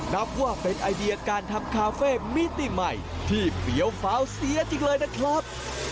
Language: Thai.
นับว่าเป็นไอเดียการทำคาเฟ่มิติใหม่ที่เปรี้ยวฟ้าวเสียจริงเลยนะครับ